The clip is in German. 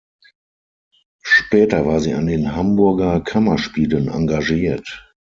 Später war sie an den Hamburger Kammerspielen engagiert.